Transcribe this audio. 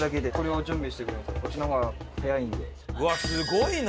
うわすごいな！